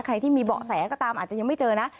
ใครที่มีเบาะแสก็ตามอาจจะยังไม่เจอนะ